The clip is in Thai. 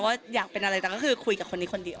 ว่าอยากเป็นอะไรแต่ก็คือคุยกับคนนี้คนเดียว